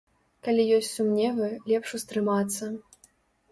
Калі ёсць сумневы, лепш устрымацца.